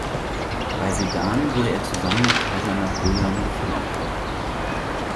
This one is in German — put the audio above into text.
Bei Sedan wurde er zusammen mit Kaiser Napoleon gefangen.